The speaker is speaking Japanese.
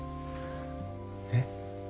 えっ？